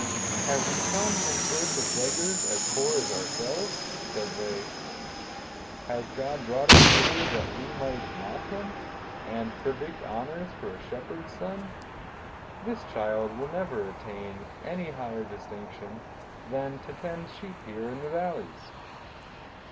"'Have we come in search of beggars as poor as ourselves?' said they. 'Has God brought us hither that we might mock Him, and predict honors for a shepherd's son? This Child will never attain any higher distinction than to tend sheep here in the valleys.